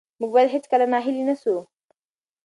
موږ باید هېڅکله ناهیلي نه سو.